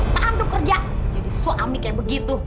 tahan tuh kerja jadi suami kayak begitu